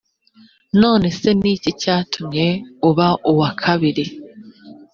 none se ni iki cyatumye uba uwakabiri